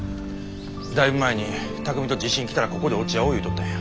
だいぶ前に巧海と地震来たらここで落ち合おうって言うとったんや。